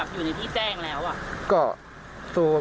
เพราะว่าเราก็เหมือนอยู่ในที่แจ้งแล้ว